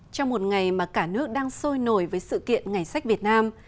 trong một ngày mà cả nước đang sôi nổi với sự kiện ngày sách việt nam